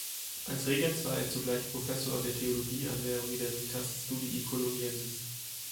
Als Regens war er zugleich Professor der Theologie an der Universitas Studii Coloniensis.